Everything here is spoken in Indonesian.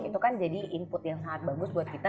itu kan jadi input yang sangat bagus buat kita